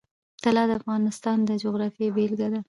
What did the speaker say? طلا د افغانستان د جغرافیې بېلګه ده.